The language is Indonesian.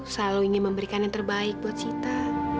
selalu ingin memberikan yang terbaik buat kita